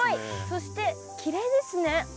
そしてきれいですね。